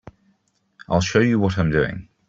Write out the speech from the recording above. I'll show you what I'm doing.